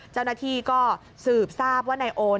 เจ้าหน้าที่ก็สืบทราบว่านายโอน